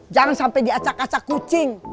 jangan sampai diacak acak kucing